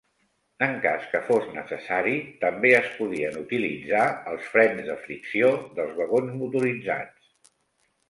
En cas que fos necessari, també es podien utilitzar els frens de fricció dels vagons motoritzats.